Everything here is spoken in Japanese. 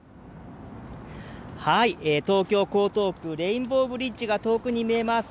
東京・江東区、レインボーブリッジが遠くに見えます。